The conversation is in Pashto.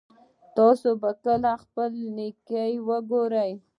تاسو به کله خپل نیکه وګورئ